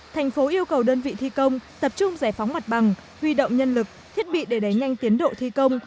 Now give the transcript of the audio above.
thành phố yêu cầu đơn vị thi công tập trung giải phóng mặt bằng huy động nhân lực thiết bị để đẩy nhanh tiến độ thi công